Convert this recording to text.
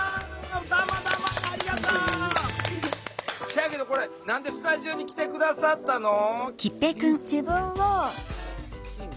せやけどこれ何でスタジオに来て下さったの？